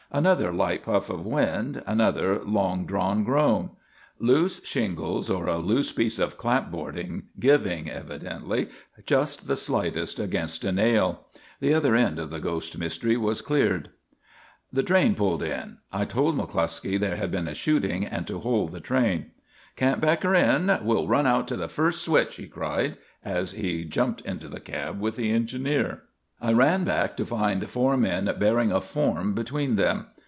Another light puff of wind, another long drawn groan loose shingles, or a loose piece of clapboarding, giving, evidently, just the slightest against a nail. The other end of the ghost mystery was cleared. The train pulled in. I told McCluskey there had been a shooting, and to hold the train. "Can't back her in. We'll run out to the first switch!" he cried, as he jumped into the cab with the engineer. I ran back to find four men bearing a form between them.